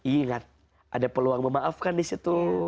ingat ada peluang memaafkan disitu